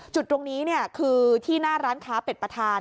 จุดตรงนี้คือที่หน้าร้านค้าเป็ดประธาน